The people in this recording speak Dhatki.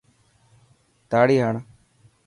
تاڙي هڻ.